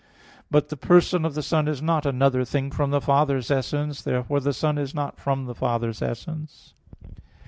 But the person of the Son is not another thing from the Father's essence. Therefore the Son is not from the Father's essence.